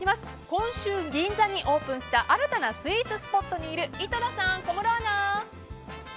今週、銀座にオープンした新たなスイーツスポットにいる井戸田さん、小室アナ。